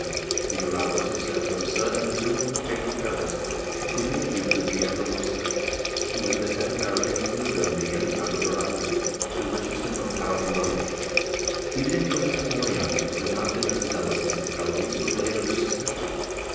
X] ANTONIO PEREZ 261 dom, the jurados of Saragossa and the gentlemen who favored Perez, including the Duke of Villahermosa, who was the head of Aragonese nobility and the Count of Aranda, the richest and most powerful noble. Even Inquisitor Morejon, who had not been as zealous as his colleagues, was laid under suspicion.